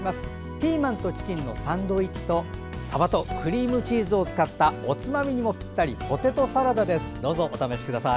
ピーマンとチキンのサンドイッチとさばとクリームチーズを使ったおつまみにもぴったりポテトサラダどうぞお試しください。